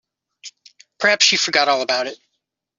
Perhaps she forgot all about it.